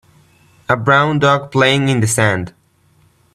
A brown dog playing in the sand.